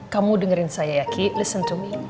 kamu dengerin saya ya kiki listen to me